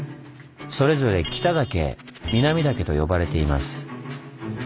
それぞれ北岳南岳と呼ばれています。